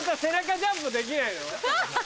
ジャンプできないの？